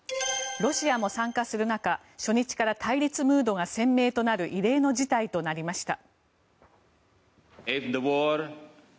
ロシアも参加する中初日から対立ムードが鮮明となる異例の事態となりました。